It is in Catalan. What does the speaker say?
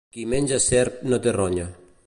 Qui menja serp no té ronya.